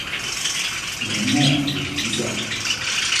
明末古文家。